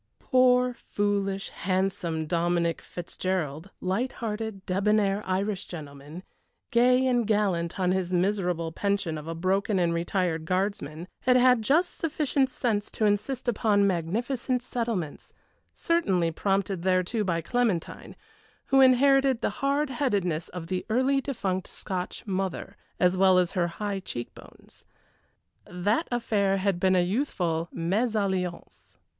Poor, foolish, handsome Dominic Fitzgerald, light hearted, débonair Irish gentleman, gay and gallant on his miserable pension of a broken and retired Guardsman, had had just sufficient sense to insist upon magnificent settlements, certainly prompted thereto by Clementine, who inherited the hard headedness of the early defunct Scotch mother, as well as her high cheek bones. That affair had been a youthful mésalliance.